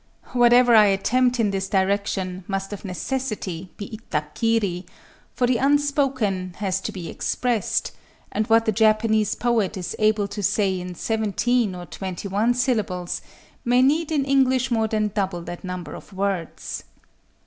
Whatever I attempt in this direction must of necessity be ittakkiri;—for the unspoken has to be expressed; and what the Japanese poet is able to say in seventeen or twenty one syllables may need in English more than double that number of words.